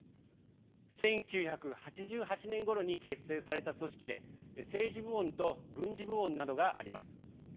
１９８８年ごろに結成された組織で政治部門と軍事部門などがあります。